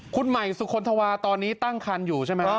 คุณใหม่สุคลธวาตอนนี้ตั้งคันอยู่ใช่ไหม